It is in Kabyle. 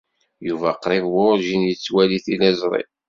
Yuba qrib werjin yettwali tiliẓri.